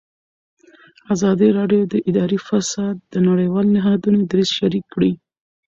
ازادي راډیو د اداري فساد د نړیوالو نهادونو دریځ شریک کړی.